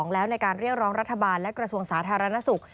แล้วในการเรียกร้องรัฐบาลและกระทรวงสาธารณสุข